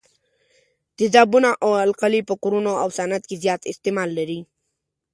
تیزابونه او القلي په کورونو او صنعت کې زیات استعمال لري.